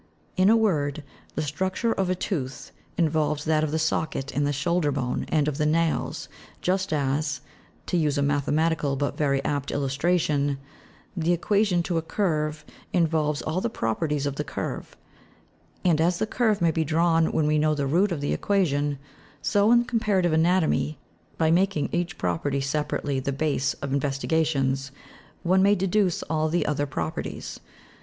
In RELATIVE AGES OF THE GLOBE'S CATASTROPHES. 189 a word, the structure of a tooth involves that of the socket in the shoulder bone, and of the nails, just as to use a mathematical, but very apt illustra tion the equation to a curve involves all the properties of the curve ; and as the curve may be drawn when we know the root of the equation, so in comparative anatomy, by making each property separately the base of in vestigations, one may deduce all the other properties.